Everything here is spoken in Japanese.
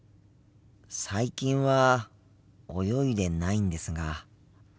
最近は泳いでないんですが。